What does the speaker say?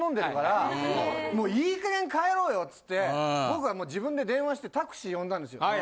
「もういい加減帰ろうよ」っつって僕が自分で電話してタクシー呼んだんですよ。